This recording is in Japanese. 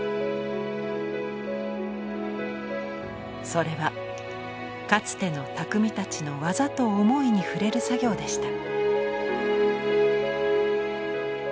それはかつての匠たちの技と思いに触れる作業でした。